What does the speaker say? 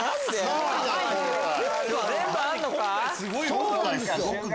そうなんですよ。